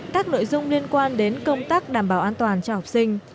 các nội dung liên quan đến công tác đảm bảo an toàn cho học sinh